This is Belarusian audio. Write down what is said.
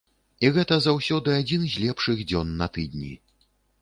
І гэта заўсёды адзін з лепшых дзён на тыдні.